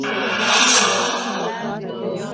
کېدای سي سينه سپين ستونزي ولري؟!